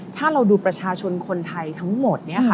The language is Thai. ถ้าเราดูประชาชนคนไทยทั้งหมด